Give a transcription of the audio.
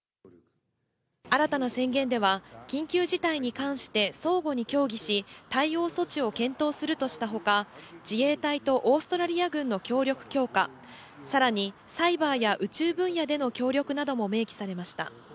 新たな宣言では、緊急事態に関して相互に協議し、対応措置を検討するとしたほか、自衛隊とオーストラリア軍の協力強化、さらにサイバーや宇宙分野での協力なども明記されました。